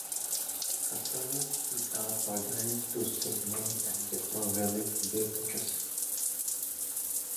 Customers seek out bargains to save money and get more value for their purchase.